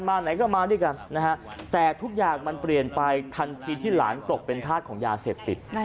ไหนก็มาด้วยกันนะฮะแต่ทุกอย่างมันเปลี่ยนไปทันทีที่หลานตกเป็นธาตุของยาเสพติด